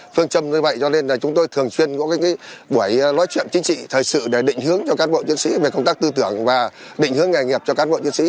phương châm như vậy cho nên chúng tôi thường chuyên một buổi nói chuyện chính trị thời sự để định hướng cho các bộ chiến sĩ về công tác tư tưởng và định hướng nghề nghiệp cho các bộ chiến sĩ